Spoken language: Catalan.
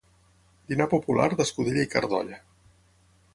Dinar popular d'escudella i carn d'olla.